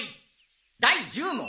第１０問。